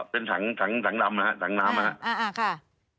เป็นถังดำนะครับถังน้ำนะครับ